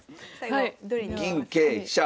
銀桂飛車。